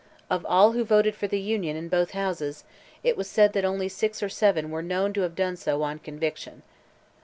Of all who voted for the Union, in both Houses, it was said that only six or seven were known to have done so on conviction.